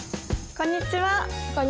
こんにちは。